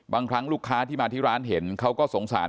บางครั้งลูกค้าที่มาที่ร้านเห็นเขาก็สงสาร